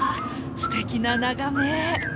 すてきな眺め！